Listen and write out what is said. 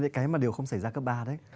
những cái mà đều không xảy ra cấp ba đấy